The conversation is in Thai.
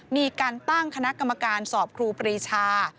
มีการตั้งคณะกรรมการสอบครูปรีชา